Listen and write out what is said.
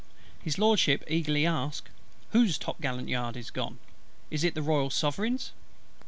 His LORDSHIP eagerly asked, "Whose top gallant yard is that gone? Is it the Royal Sovereign's?"